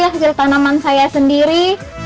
hasil tanaman saya sendiri